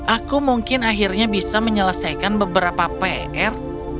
aku mungkin akhirnya bisa menyelesaikan beberapa pr